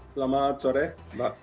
selamat sore mbak